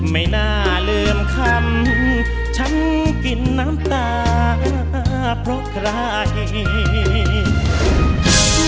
ไม่น่าลืมคำฉันกินน้ำตาเพราะใคร